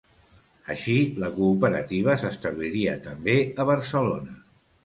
Així, la cooperativa s'establiria també a Barcelona.